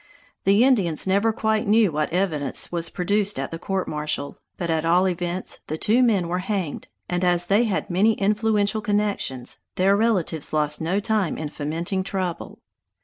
The Indians never quite knew what evidence was produced at the court martial, but at all events the two men were hanged, and as they had many influential connections, their relatives lost no time in fomenting trouble.